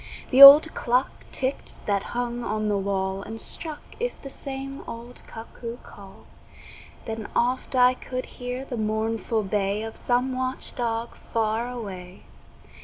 The old clock ticked that hung on the wall And struck 'th the same old cuckoo call; Then oft I could hear the mournful bay Of some watch dog far away.